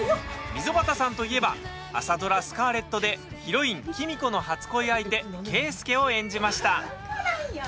溝端さんといえば朝ドラ「スカーレット」でヒロイン喜美子の初恋相手圭介を演じました。